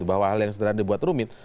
bahwa hal yang sederhana dibuat rumit